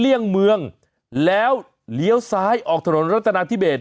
เลี่ยงเมืองแล้วเลี้ยวซ้ายออกถนนรัฐนาธิเบส